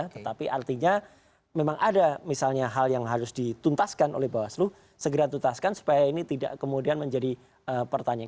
tetapi artinya memang ada misalnya hal yang harus dituntaskan oleh bawaslu segera tuntaskan supaya ini tidak kemudian menjadi pertanyaan